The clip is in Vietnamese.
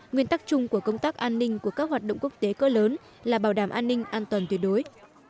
nguyên tắc chung của công tác an ninh của các hoạt động quốc tế cỡ lớn là bảo đảm an ninh an toàn tuyệt đối